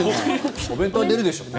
お弁当は出るでしょうね。